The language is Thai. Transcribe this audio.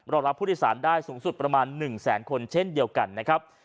รับผู้โดยสารได้สูงสุดประมาณ๑แสนคนเช่นเดียวกันนะครับ